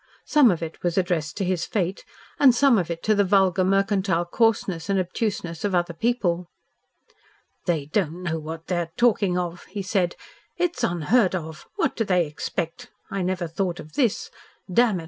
Some of it was addressed to his fate and some of it to the vulgar mercantile coarseness and obtuseness of other people. "They don't know what they are talking of," he said. "It is unheard of. What do they expect? I never thought of this. Damn it!